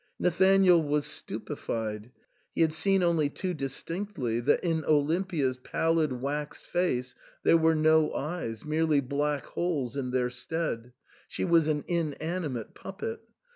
Nathanael was stupefied ;— he had seen only too distinctly that in Olimpia's pallid waxed face there were no eyes, merely black holes in their stead ; she was an inanimate puppet.